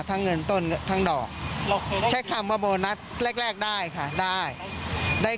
ทั้งเงินต้นทั้งดอกใช้คำว่าโบนัสแรกได้ค่ะได้